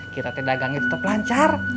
kita te dagangnya tetep lancar